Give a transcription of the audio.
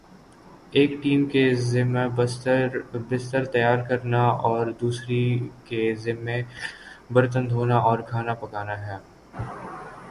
ایک ٹیم کے ذمہ بستر تیار کرنا اور دوسری کے ذمہ برتن دھونا اور کھانا پکانا تھا ۔